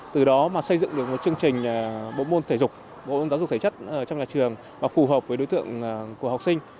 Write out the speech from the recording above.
từ đó mà xây dựng được một chương trình bộ môn thể dục bộ môn giáo dục thể chất trong nhà trường và phù hợp với đối tượng của học sinh